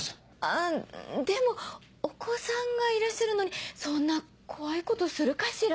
あぁでもお子さんがいらっしゃるのにそんな怖いことするかしら？